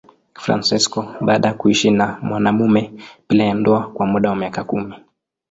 Fransisko baada ya kuishi na mwanamume bila ya ndoa kwa muda wa miaka kumi.